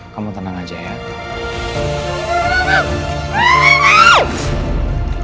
kamu tenang aja ya